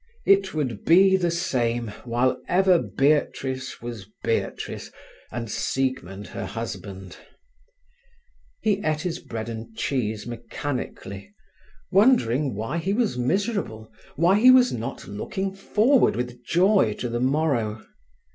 It would be the same, while ever Beatrice was Beatrice and Siegmund her husband. He ate his bread and cheese mechanically, wondering why he was miserable, why he was not looking forward with joy to the morrow.